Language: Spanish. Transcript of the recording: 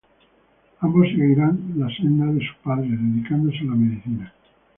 Ambos seguirían la senda de sus padres, dedicándose a la medicina.